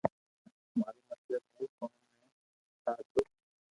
مارو مطلب ھي ڪوم تي جا تو